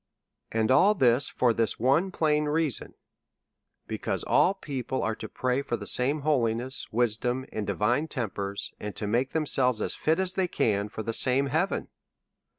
And all this for one plain reason ; because all peo ple are to pray for the same holiness, wisdom, and di vine tempers, and to make themselves as fit as thej can for the same heaven.